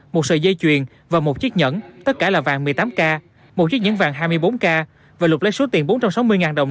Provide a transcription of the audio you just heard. một sợi dây chuyền và một chiếc nhẫn tất cả là vàng một mươi tám k một chiếc nhẫn vàng hai mươi bốn k và lục lấy số tiền bốn trăm sáu mươi đồng